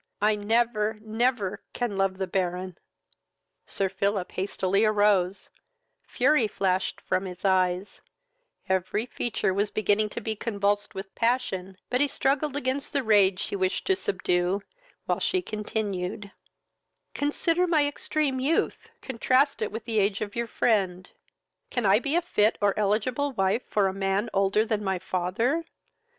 I never, never can love the Baron!" Sir Philip hastily arose; fury flashed from his eyes; every feature was beginning to be convulsed with passion, but he struggled against the rage he wished to subdue, while she continued, "Consider my extreme youth; contrast it with the age of your friend; can I be a fit or eligible wife for a man older than my father?